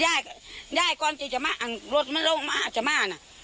ย่ายย่ายก่อนที่จะมาอ่ะรถมันลงมาจะมาแล้ว